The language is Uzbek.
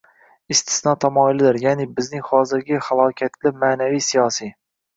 “istisno tamoyilidir”, ya’ni, bizning hozirgi halokatli ma’naviy-siyosiy